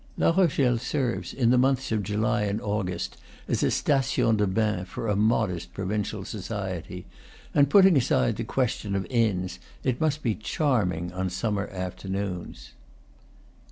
La Rochelle serves, in the months of July and August, as a station de bains for a modest provincial society; and, putting aside the question of inns, it must be charming on summer afternoons.